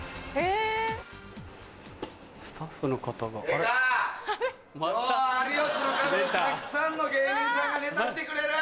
・ええか・今日は『有吉の壁』でたくさんの芸人さんがネタしてくれる。